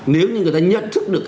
nếu như người ta nhận thức được